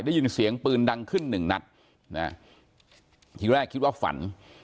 ได้ยินเสียงปืนดังขึ้น๑นัดนะครับที่แรกคิดว่าฝัน